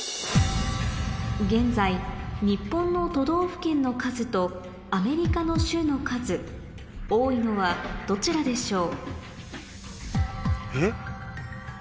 現在日本の都道府県の数とアメリカの州の数多いのはどちらでしょう？